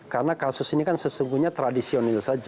karena kasus ini kan sesungguhnya tradisional saja